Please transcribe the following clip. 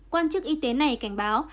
quan chức y tế này cảnh báo